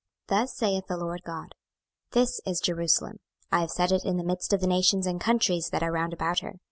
26:005:005 Thus saith the Lord GOD; This is Jerusalem: I have set it in the midst of the nations and countries that are round about her.